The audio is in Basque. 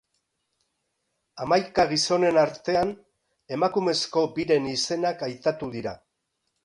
Hamaika gizonen artean, emakumezko biren izenak aitatu dira.